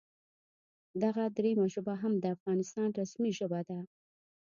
دغه دریمه ژبه هم د افغانستان رسمي ژبه ده